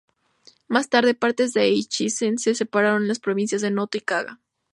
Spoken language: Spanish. Más tarde, partes de Echizen se separaron en las provincias de Noto y Kaga